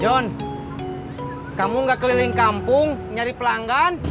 john kamu nggak keliling kampung nyari pelanggan